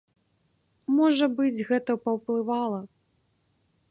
Можа быць, гэта паўплывала.